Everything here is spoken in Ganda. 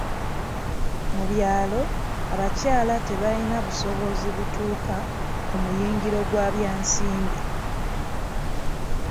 Mu byalo abakyala tebayina busobozi butuuka ku muyingiro gwa bya nsimbi.